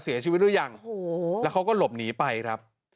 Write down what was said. เสียชีวิตหรือยังโอ้โหแล้วเขาก็หลบหนีไปครับ